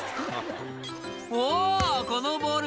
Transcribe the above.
「おぉこのボール